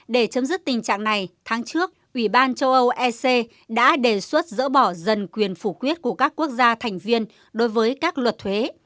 để chấm dứt tình trạng này tháng trước ủy ban châu âu ec đã đề xuất dỡ bỏ dần quyền phủ quyết của các quốc gia thành viên đối với các luật thuế